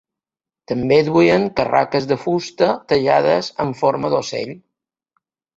També duien carraques de fusta tallades en forma d'ocell.